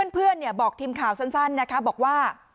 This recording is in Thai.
เพื่อนบอกทีมข่าวสั้นบอกว่า